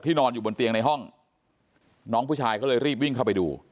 นอนอยู่บนเตียงในห้องน้องผู้ชายก็เลยรีบวิ่งเข้าไปดู